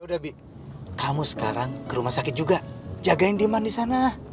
yaudah bi kamu sekarang ke rumah sakit juga jagain diman disana